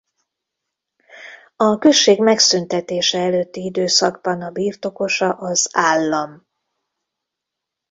A község megszüntetése előtti időszakban a birtokosa az állam.